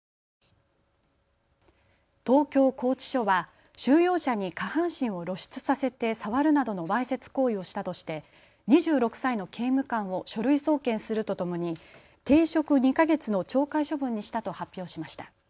東京拘置所は収容者に下半身を露出させて触るなどのわいせつ行為をしたとして２６歳の刑務官を書類送検するとともに停職２か月の懲戒処分にしたと発表しました。